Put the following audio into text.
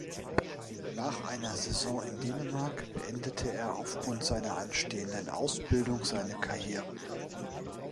Nach einer Saison in Dänemark beendete er aufgrund seiner anstehenden Ausbildung seine Karriere.